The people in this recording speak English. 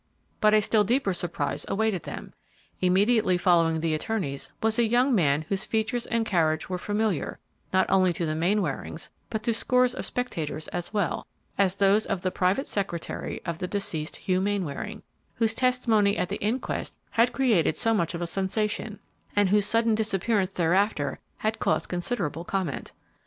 But a still deeper surprise awaited them. Immediately following the attorneys was a young man whose features and carriage were familiar, not only to the Mainwarings, but to scores of spectators as well, as those of the private secretary of the deceased Hugh Mainwaring, whose testimony at the inquest had created so much of a sensation, and whose sudden disappearance thereafter had caused considerable comment.